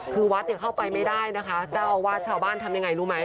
คือวัดเข้าไปไม่ได้นะคะแต่ว่าชาวบ้านทำยังไงรู้ไหม